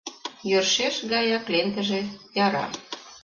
Йӧршеш гаяк лентыже яра.